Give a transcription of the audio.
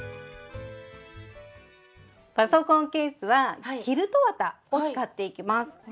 パソコンケースはキルト綿を使っていきます。